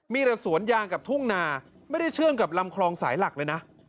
มีแต่สวนยางกับทุ่งนาไม่ได้เชื่อมกับลำคลองสายหลักเลยนะ